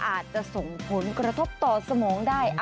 อาจจะส่งผลกระทบต่อสมองได้